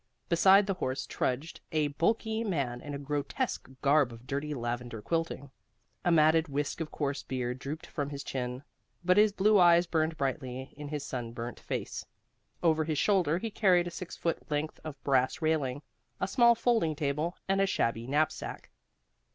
Beside the horse trudged a bulky man in a grotesque garb of dirty lavender quilting. A matted whisk of coarse beard drooped from his chin, but his blue eyes burned brightly in his sunburnt face. Over his shoulder he carried a six foot length of brass railing, a small folding table, and a shabby knapsack.